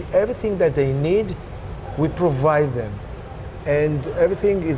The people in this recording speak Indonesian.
setiap yang mereka butuhkan kita memberikannya